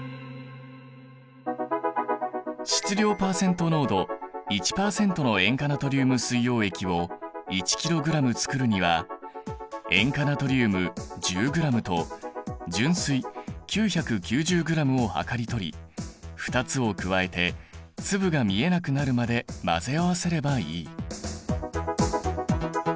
質量パーセント濃度１％の塩化ナトリウム水溶液を１ｋｇつくるには塩化ナトリウム１０ｇと純水９９０ｇを量りとり２つを加えて粒が見えなくなるまで混ぜ合わせればいい。